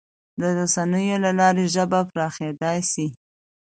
د رسنیو له لارې ژبه پراخېدای سي.